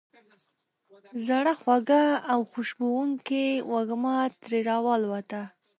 زړه خوږه او خوشبوونکې وږمه ترې را والوته.